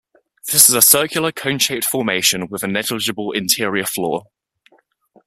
This is a circular, cone-shaped formation with a negligible interior floor.